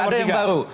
gak ada yang baru